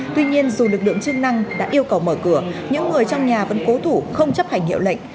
tuy nhiên dù lực lượng chức năng đã yêu cầu mở cửa những người trong nhà vẫn cố thủ không chấp hành hiệu lệnh